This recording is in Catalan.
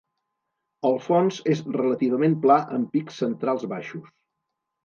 El fons és relativament pla amb pics centrals baixos.